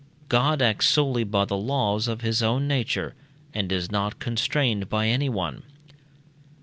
God acts solely by the laws of his own nature, and is not constrained by anyone.